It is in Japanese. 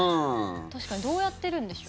確かにどうやってるんでしょう。